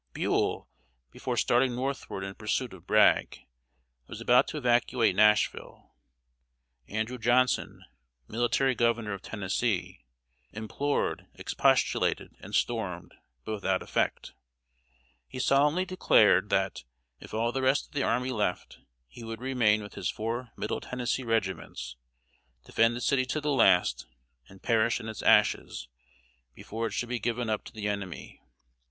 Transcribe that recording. Buell, before starting northward in pursuit of Bragg, was about to evacuate Nashville. Andrew Johnson, Military Governor of Tennessee, implored, expostulated, and stormed, but without effect. He solemnly declared that, if all the rest of the army left, he would remain with his four Middle Tennessee regiments, defend the city to the last, and perish in its ashes, before it should be given up to the enemy.